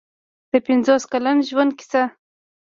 د پنځوس کلن ژوند کیسه.